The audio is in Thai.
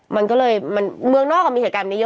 มันก็เลยเมืองนอกมีเหตุการณ์แบบนี้เยอะ